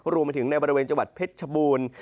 รวมไปถึงในบริเวณจังหวัดเพชรชบูรณ์